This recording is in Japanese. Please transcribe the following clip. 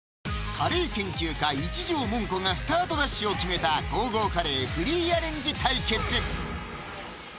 カレー研究家・一条もんこがスタートダッシュを決めたゴーゴーカレーフリーアレンジ対決！